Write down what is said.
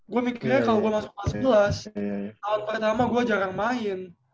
gue mikirnya kalau gue masuk kelas sebelas tahun pertama gue jarang main